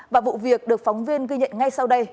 và vụ việc được phóng viên ghi nhận ngay sau đây